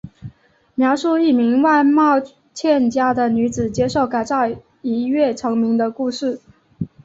描述一名外貌欠佳的女子接受改造一跃成名的故事。